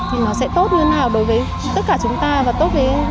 thì nó sẽ tốt hơn nào đối với tất cả chúng ta và tốt với cả môi trường thế nào